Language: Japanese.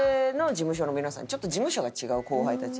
ちょっと事務所が違う後輩たち。